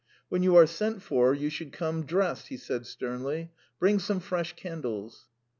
"When you are sent for you should come dressed," he said sternly. "Bring some fresh candles."